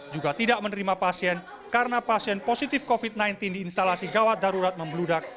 juga tidak menerima pasien karena pasien positif covid sembilan belas di instalasi gawat darurat membeludak